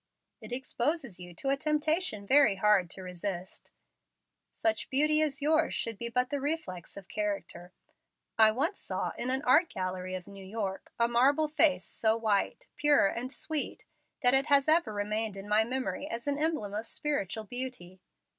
"It exposes you to a temptation very hard to resist. Such beauty as yours should be but the reflex of character. I once saw, in an art gallery of New York, a marble face so white, pure, and sweet, that it has ever remained in my memory as an emblem of spiritual beauty.